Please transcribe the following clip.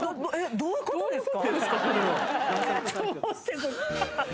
どういうことですか？